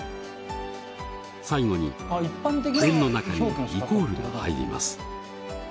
最後に円の中にイコールが入ります。